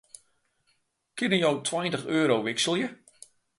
Kinne jo tweintich euro wikselje?